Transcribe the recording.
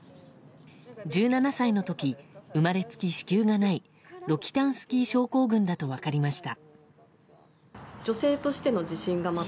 １７歳の時生まれつき子宮がないロキタンスキー症候群だと分かりました。